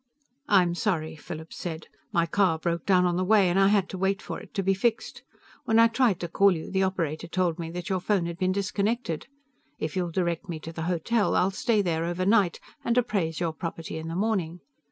"I'm sorry," Philip said. "My car broke down on the way, and I had to wait for it to be fixed. When I tried to call you, the operator told me that your phone had been disconnected. If you'll direct me to the hotel, I'll stay there overnight and appraise your property in the morning.